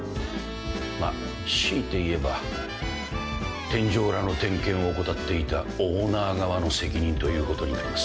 まあ強いて言えば天井裏の点検を怠っていたオーナー側の責任ということになります。